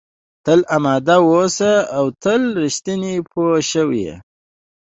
تل اماده اوسه او تل رښتینی پوه شوې!.